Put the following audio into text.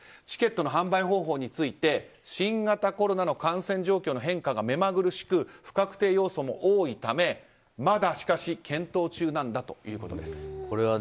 チケットの販売方法について新型コロナの感染状況の変化が目まぐるしく不確定要素も多いためまだ、しかし検討中なんだということです。